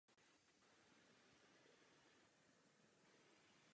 Zároveň byla do té doby historicky nejmladší členkou senátu v novodobé historii.